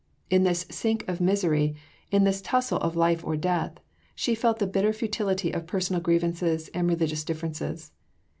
"In this sink of misery, in this tussle of life or death," she felt the bitter futility of personal grievances and religious differences.